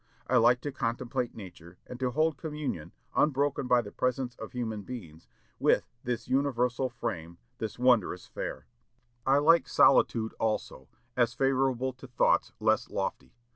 I like to contemplate nature, and to hold communion, unbroken by the presence of human beings, with 'this universal frame this wondrous fair.' I like solitude also, as favorable to thoughts less lofty.